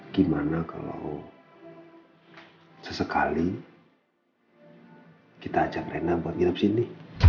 gimana kalau sesekali kita ajak rena buat nginap sini